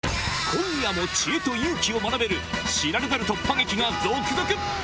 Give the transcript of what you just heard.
今夜も知恵と勇気を学べる、知られざる突破劇が続々。